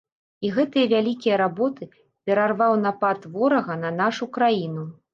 І гэтыя вялікія работы перарваў напад ворага на нашу краіну.